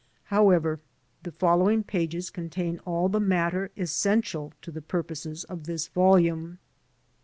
However, the following pages contain all the mat ter essential to the purposes of this volume.